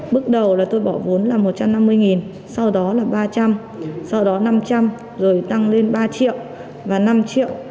bước đầu là tôi bỏ vốn là một trăm năm mươi sau đó là ba trăm linh sau đó năm trăm linh rồi tăng lên ba triệu và năm triệu